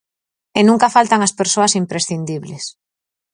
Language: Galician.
E nunca faltan as persoas imprescindibles.